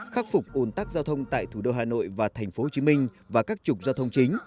khắc phục ồn tắc giao thông tại thủ đô hà nội và thành phố hồ chí minh và các trục giao thông chính